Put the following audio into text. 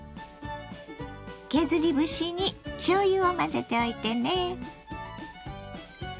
削り節にしょうゆを混ぜておいてね。